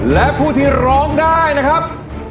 และผู้ที่ร้องได้นะครับ